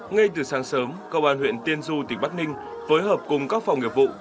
ngay từ sáng sớm công an huyện tiên du tỉnh bắc ninh phối hợp cùng các phòng nghiệp vụ